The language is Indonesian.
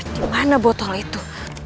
dimana botol itu